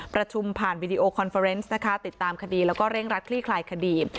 ประชุมผ่านนะคะติดตามคดีแล้วก็เร่งรัดคลี่คลายคดี